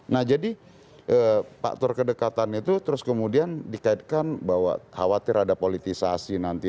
nah jadi faktor kedekatan itu terus kemudian dikaitkan bahwa khawatir ada politisasi nanti